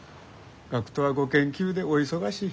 学頭はご研究でお忙しい。